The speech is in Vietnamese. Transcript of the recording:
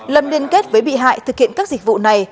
lâm liên kết với bị hại thực hiện các dịch vụ này